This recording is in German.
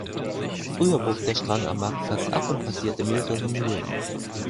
Früher bog der Strang am Marktplatz ab und passierte mehrere Mühlen.